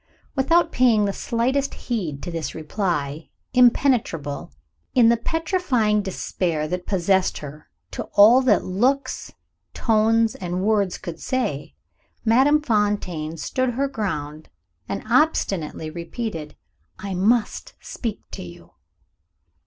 Without paying the slightest heed to this reply impenetrable, in the petrifying despair that possessed her, to all that looks, tones, and words could say Madame Fontaine stood her ground, and obstinately repeated, "I must speak to you."